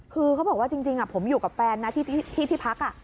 คือเขาบอกว่าจริงผมอยู่กับแฟนนะที่พัก